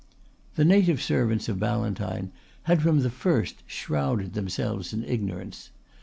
The native servants of Ballantyne had from the first shrouded themselves in ignorance.